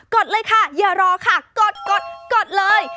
ดเลยค่ะอย่ารอค่ะกดกดเลย